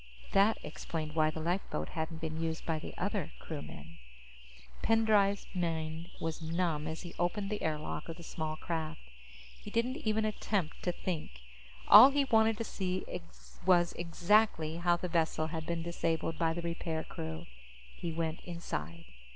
_ That explained why the lifeboat hadn't been used by the other crewmen. Pendray's mind was numb as he opened the air lock of the small craft. He didn't even attempt to think. All he wanted was to see exactly how the vessel had been disabled by the repair crew. He went inside.